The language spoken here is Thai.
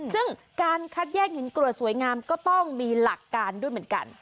ซึ่งการคัดแยกหินกรวดสวยงามก็ต้องมีหลักการด้วยเหมือนกัน